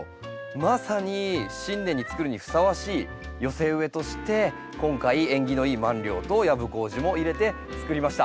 まさに新年につくるにふさわしい寄せ植えとして今回縁起のいいマンリョウとヤブコウジも入れてつくりました。